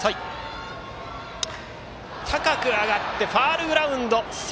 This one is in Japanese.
高く上がってファウルグラウンド。